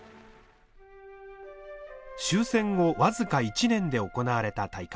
終戦後僅か１年で行われた大会。